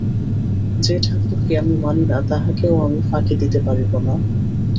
যে-ঠাকুরকে আমি মানি না তাহাকেও আমি ফাঁকি দিতে পারিব না।